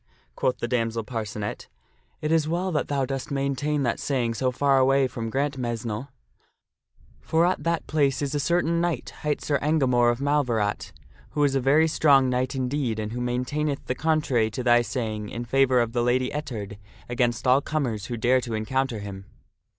" quoth the damsel Parcenet, " it is well that thou dost maintain that saying so far away from Grantmesnle ; for at that place is a certain knight, hight Sir Engamore of Malverat, who is a very strong knight indeed, and who maintaineth the contrary to thy saying in favor of the Lady Ettard against all comers who dare to encounter him."